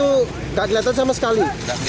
enggak kelihatan sama sekali